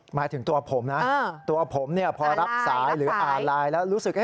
หมายถึงตัวผมนะตัวผมเนี่ยพอรับสายหรืออ่านไลน์แล้วรู้สึก